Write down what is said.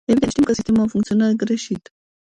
Evident, știm că sistemul a funcționat greșit.